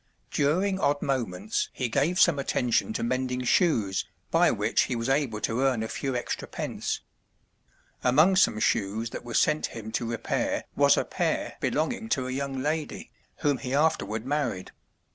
During odd moments he gave some attention to mending shoes, by which he was able to earn a few extra pence. Among some shoes that were sent him to repair was a pair belonging to a young lady, whom he afterward married.